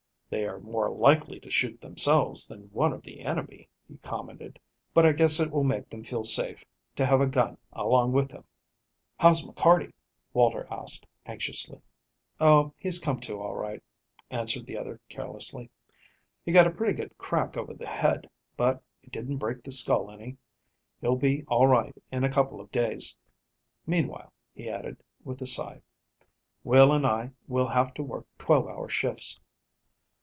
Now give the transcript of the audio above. "They are more likely to shoot themselves than one of the enemy," he commented, "but I guess it will make them feel safe to have a gun along with them." "How's McCarty?" Walter asked, anxiously. "Oh, he's come too, all right," answered the other carelessly. "He got a pretty good crack over the head, but it didn't break the skull any. He'll be all right in a couple of days. Meanwhile," he added, with a sigh, "Will and I will have to work twelve hour shifts."